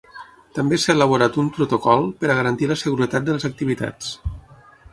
També s’ha elaborat un protocol per a garantir la seguretat de les activitats.